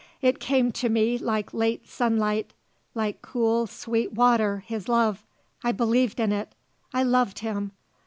It came to me like late sunlight like cool, sweet water his love. I believed in it. I loved him.